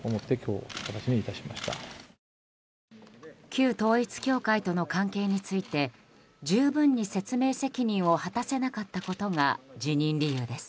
旧統一教会との関係について十分に説明責任を果たせなかったことが辞任理由です。